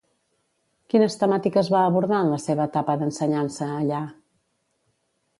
Quines temàtiques va abordar en la seva etapa d'ensenyança allà?